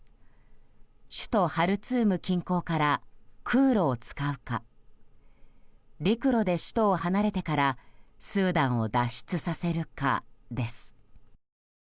首都ハルツーム近郊から空路を使うか陸路で首都を離れてからスーダンを脱出させるかです。